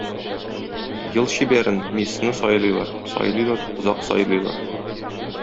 Ел чибәрен, миссны сайлыйлар, сайлыйлар, озак сайлыйлар.